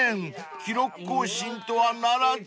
記録更新とはならず］